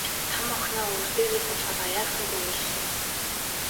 Том охиноо өвөр дээрээ суулгаад аяархан бүүвэйллээ.